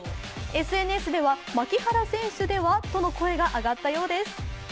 ＳＮＳでは牧原選手では？との声が上がったようです。